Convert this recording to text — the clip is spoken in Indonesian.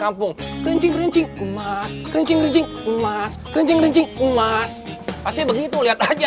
kampung kencing kencing emas kencing kencing emas kencing kencing emas pasti begitu lihat aja